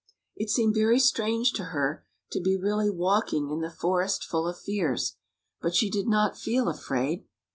It seemed very strange to her to be really walking in the Forest Full of Fears, but she did not feel afraid.